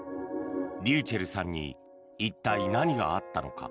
ｒｙｕｃｈｅｌｌさんに一体、何があったのか。